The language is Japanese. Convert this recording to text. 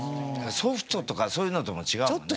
「ソフト」とかそういうのとも違うもんね。